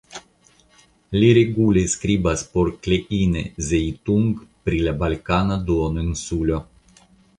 Li regule skribas por Kleine Zeitung pri la Balkana duoninsulo.